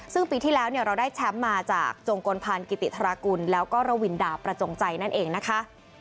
ซึ่งปีที่แล้วเราได้แชมป์มาจากจงกลพันธ์กิติธรกุลแล้วก็ระวินดาประจงใจนั่นเองนะคะ